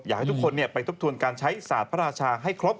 อยากให้ทุกคนไปทบทวนการใช้ศาสตร์พระราชาให้ครบ